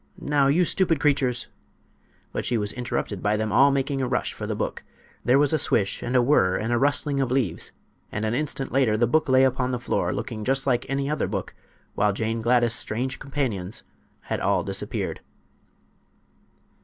Now, you stupid creatures—" But she was interrupted by them all making a rush for the book. There was a swish and a whirr and a rustling of leaves, and an instant later the book lay upon the floor looking just like any other book, while Jane Gladys' strange companions had all disappeared.